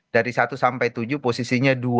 dari satu sampai tujuh posisinya dua